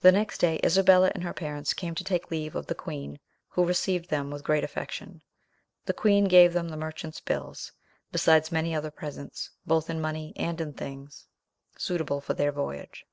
The next day Isabella and her parents came to take leave of the queen, who received them with great affection. The queen gave them the merchant's bills, besides many other presents, both in money and in things suitable for their voyage.